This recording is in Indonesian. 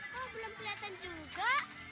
belum kelihatan juga